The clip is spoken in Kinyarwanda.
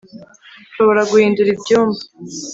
Nshobora guhindura ibyumba